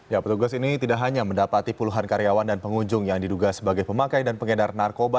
ya petugas ini tidak hanya mendapati puluhan karyawan dan pengunjung yang diduga sebagai pemakai dan pengedar narkoba